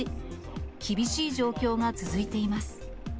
厳しい状況が続いています。